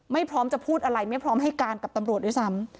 พร้อมจะพูดอะไรไม่พร้อมให้การกับตำรวจด้วยซ้ำ